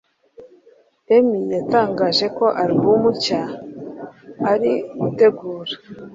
Emmy yatangaje ko album nshya ari gutegura